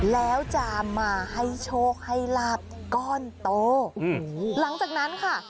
แล้วจะมาให้โชคให้ลาบก้อนโตอืมหลังจากนั้นค่ะ